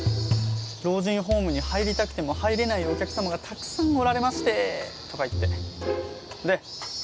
「老人ホームに入りたくても入れないお客さまがたくさんおられまして」とか言って。